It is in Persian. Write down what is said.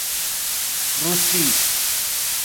روسبی